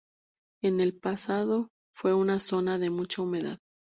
En el pasado fue una zona de mucha humedad.